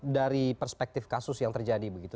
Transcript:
dari perspektif kasus yang terjadi begitu